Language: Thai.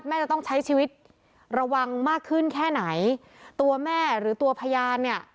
แม่จะต้องใช้ชีวิตระวังมากขึ้นแค่ไหนตัวแม่หรือตัวพยานเนี่ย